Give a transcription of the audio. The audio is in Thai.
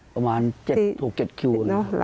ประมาณ๗คิว